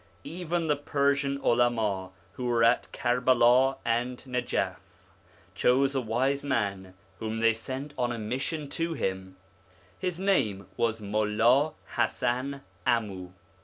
Even the Persian Ulama who were at Karbala and Najaf chose a wise man whom they sent on a mission to him ; his name was Mulla Hasan Amu.